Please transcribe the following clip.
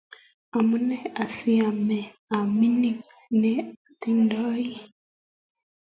Amunee asi ame amining' ne tenoni?